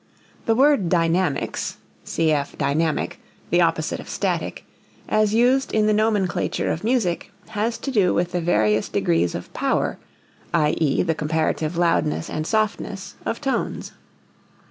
The word dynamics (cf. dynamic the opposite of static) as used in the nomenclature of music has to do with the various degrees of power (i.e., the comparative loudness and softness) of tones.